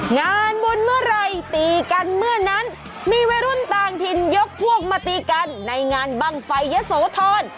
งานบุญเมื่อไหร่ตีกันเมื่อนั้นมีวัยรุ่นต่างถิ่นยกพวกมาตีกันในงานบ้างไฟยะโสธร